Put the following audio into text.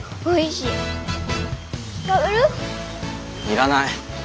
要らない。